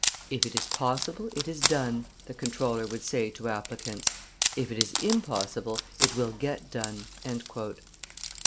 "If it is possible, it is done," the comptroller would say to applicants; "if it is impossible, it will get done."